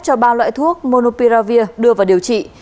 cho ba loại thuốc monopiravir đưa vào điều trị